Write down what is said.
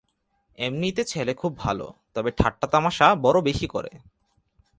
এমনিতে ছেলে খুব ভালো, তবে ঠাট্টা-তামাশা বড় বেশি করে।